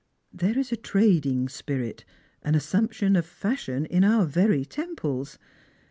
There is r\ trading spirit, an assumption of fiishion, in om very temples.